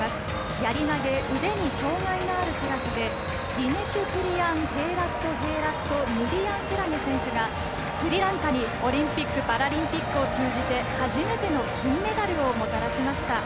やり投げ腕に障がいのあるクラスでディネシュプリヤンヘーラット・ヘーラットムディヤンセラゲ選手がスリランカにオリンピック・パラリンピック通じて初めての金メダルをもたらしました。